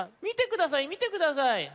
みてくださいみてください。